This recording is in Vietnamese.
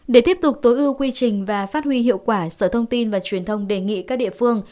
để tiếp tục tối ưu quy trình và phát huy hiệu quả sở thông tin và truyền thông đề nghị các địa phương